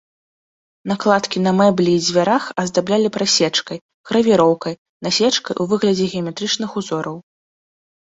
Накладкі на мэблі і дзвярах аздаблялі прасечкай, гравіроўкай, насечкай у выглядзе геаметрычных узораў.